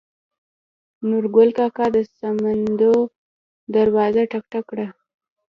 نورګل کاکا د سمدو دروازه ټک ټک کړه.